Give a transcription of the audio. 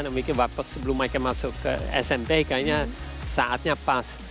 mungkin waktu sebelum mereka masuk ke smp kayaknya saatnya pas